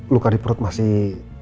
luka di perut masih